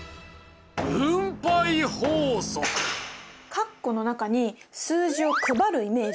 括弧の中に数字を配るイメージね。